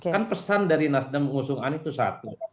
kan pesan dari nasdem mengusung anies itu satu